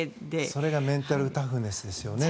それがメンタルタフネスですよね。